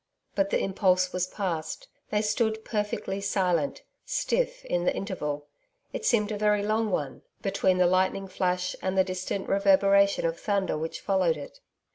But the impulse was past. They stood perfectly silent, stiff, in the interval it seemed a very long one between the lightning flash, and the distant reverberation of thunder which followed it.